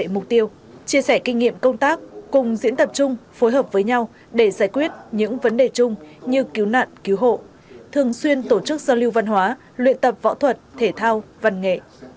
mục tiêu chia sẻ kinh nghiệm công tác cùng diễn tập chung phối hợp với nhau để giải quyết những vấn đề chung như cứu nạn cứu hộ thường xuyên tổ chức giao lưu văn hóa luyện tập võ thuật thể thao văn nghệ